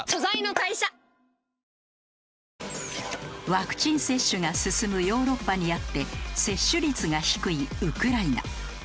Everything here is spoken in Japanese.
ワクチン接種が進むヨーロッパにあって接種率が低いウクライナ。